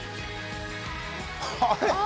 あれ？